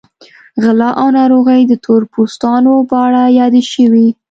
غلا او ناروغۍ د تور پوستانو په اړه یادې شوې.